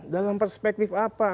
dalam perspektif apa